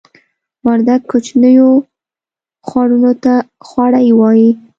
وردګ کوچنیو خوړونو ته خوړۍ وایې